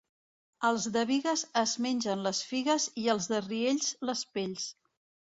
Els de Bigues es mengen les figues i els de Riells, les pells.